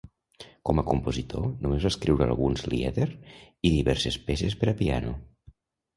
Com a compositor només va escriure alguns lieder i diverses peces per a piano.